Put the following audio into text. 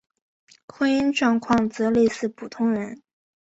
婚姻状况则类似普通人。